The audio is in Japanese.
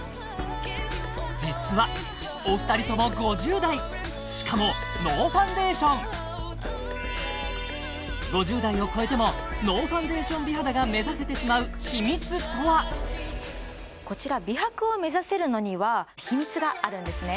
実はお二人とも５０代しかも５０代を超えてもノーファンデーション美肌が目指せてしまう秘密とはこちら美白を目指せるのには秘密があるんですね